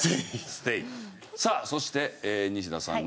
さあそして西田さんが。